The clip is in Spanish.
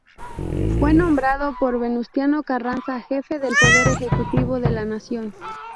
Fue nombrado por Venustiano Carranza, jefe del Poder Ejecutivo de la nación.